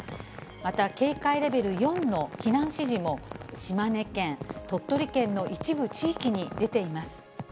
また警戒レベル４の避難指示も、島根県、鳥取県の一部地域に出ています。